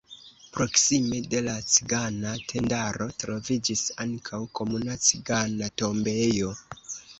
Proksime de la cigana tendaro troviĝis ankaŭ komuna cigana tombejo.